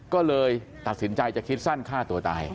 ก็เลยตัดสินใจจะคิดสั้นฆ่าตัวตาย